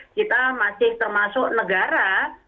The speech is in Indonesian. kita masih termasuk negara